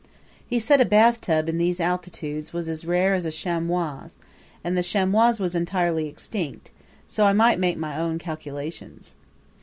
He said a bathtub in those altitudes was as rare as a chamois, and the chamois was entirely extinct; so I might make my own calculations.